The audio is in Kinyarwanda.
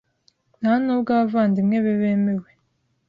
Ntanubwo abavandimwe be bemewe